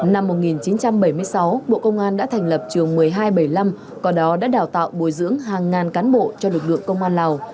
năm một nghìn chín trăm bảy mươi sáu bộ công an đã thành lập trường một mươi hai trăm bảy mươi năm qua đó đã đào tạo bồi dưỡng hàng ngàn cán bộ cho lực lượng công an lào